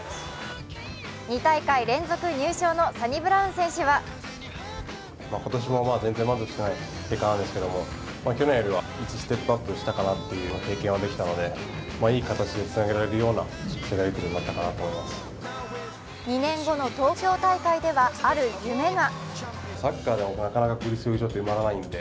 ２大会連続入賞のサニブラウン選手は２年後の東京大会ではある夢が。